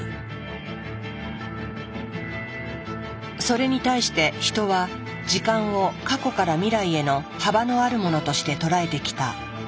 それに対してヒトは時間を過去から未来への幅のあるものとして捉えてきた。